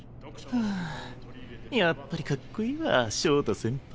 はぁやっぱりかっこいいわ翔太先輩。